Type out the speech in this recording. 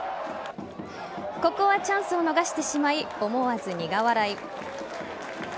ここはチャンスを逃してしまい思わず苦笑い。